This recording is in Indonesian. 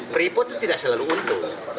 freeport itu tidak selalu untung